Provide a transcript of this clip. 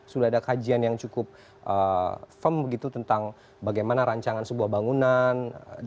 sudah ada kajian yang cukup firm begitu tentang bagaimana rancangan sebuah bangunan